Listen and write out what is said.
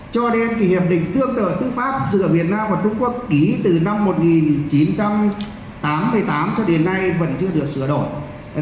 cho nên hiệp định tương tự tư pháp giữa việt nam và trung quốc ký từ năm một nghìn chín trăm tám mươi tám cho đến nay vẫn chưa được sửa đổi